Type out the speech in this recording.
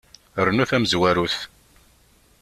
Rnu tamezwarut.